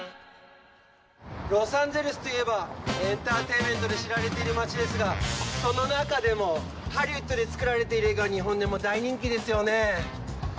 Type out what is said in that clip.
ロサンゼルスといえばエンターテインメントで知られてる街ですが、その中でもハリウッドで作られている映画、日本でも大人気ですよね。